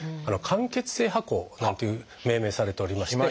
「間欠性跛行」なんていう命名されておりまして。